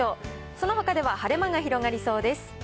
そのほかでは晴れ間が広がりそうです。